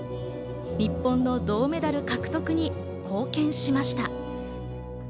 日本の銅メダル獲得に貢献しました。